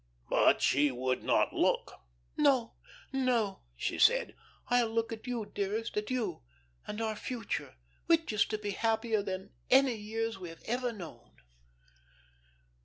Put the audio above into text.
But she would not look. "No, no," she said. "I'll look at you, dearest, at you, and our future, which is to be happier than any years we have ever known."